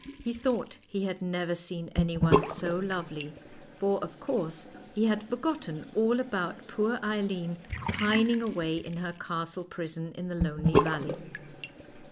He thought he had never seen anyone so lovely, for, of course, he had forgotten all about poor Eileen pining away in her castle prison in the lonely valley.